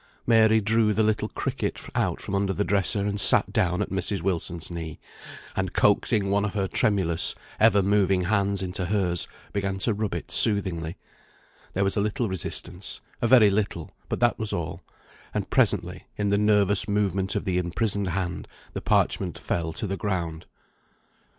Mary drew the little "cricket" out from under the dresser, and sat down at Mrs. Wilson's knee, and, coaxing one of her tremulous, ever moving hands into hers, began to rub it soothingly; there was a little resistance a very little, but that was all; and presently, in the nervous movement of the imprisoned hand, the parchment fell to the ground.